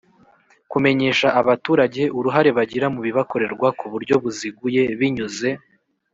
Kumenyesha abaturage uruhare bagira mu bibakorerwa ku buryo buziguye Binyuze